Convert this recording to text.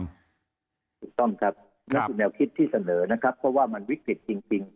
ถูกต้องครับนั่นคือแนวคิดที่เสนอนะครับเพราะว่ามันวิกฤตจริง